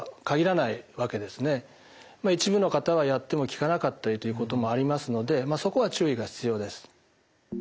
一部の方はやっても効かなかったりということもありますのでまあそこは注意が必要です。